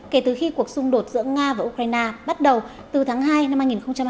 kể từ khi cuộc xung đột giữa nga và ukraine bắt đầu từ tháng hai năm hai nghìn hai mươi